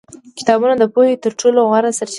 کتابونه د پوهې تر ټولو غوره سرچینه دي.